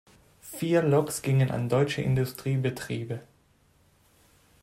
Vier Loks gingen an deutsche Industriebetriebe.